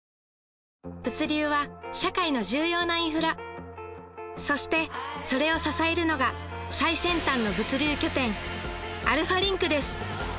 物流は社会の重要なインフラそしてそれを支えるのが最先端の物流拠点アルファリンクです